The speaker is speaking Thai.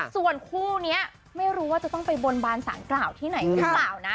ส่วนคู่นี้ไม่รู้ว่าจะต้องไปบนบานสารกล่าวที่ไหนหรือเปล่านะ